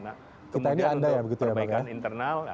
kemudian perbaikan internal